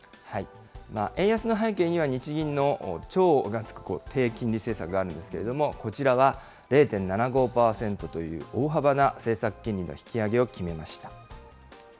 円安の背景には、日銀の超がつく低金利政策があるんですけれども、こちらは０．７５％という大幅な政策金利の引き上げを決めました。